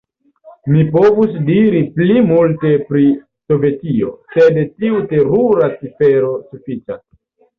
Mi povus diri pli multe pri Sovetio, sed tiu terura cifero sufiĉas.